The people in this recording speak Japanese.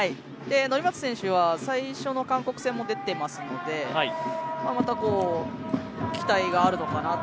乗松選手は最初の韓国戦も出ていますのでことごとく期待があるのかな。